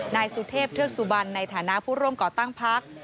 นายสุเทพเทือกสุบันในฐานะผู้ร่วมก่อตั้งพัก